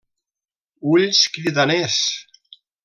Ulls cridaners.